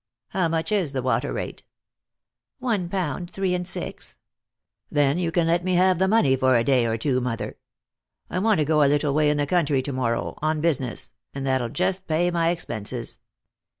" How much is the water rate ?"" One pound three and six." " Then you can let me have the money for a day or two, mother. I want to go a little way in the country to morrow on business, and that'll just pay my expenses."